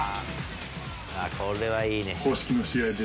これはいいね。